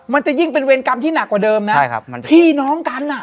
มันจะยิ่งเป็นเวรกรรมที่หนักกว่าเดิมนะ